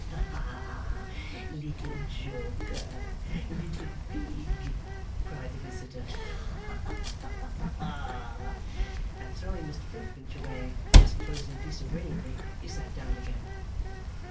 'Ah, Little joker! Little pig!' cried the visitor. 'Ha ha ha ha!' And throwing Mr Flintwinch away, as a closing piece of raillery, he sat down again.